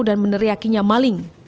dan meneriakinya maling